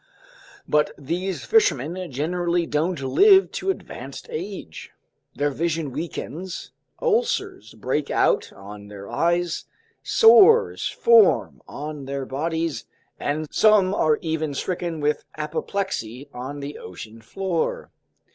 But these fishermen generally don't live to advanced age: their vision weakens, ulcers break out on their eyes, sores form on their bodies, and some are even stricken with apoplexy on the ocean floor."